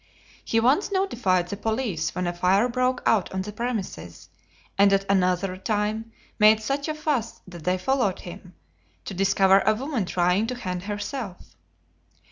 He once notified the police when a fire broke out on the premises, and at another time made such a fuss that they followed him to discover a woman trying to hang herself.